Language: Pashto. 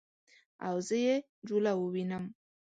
او زه یې جوله ووینم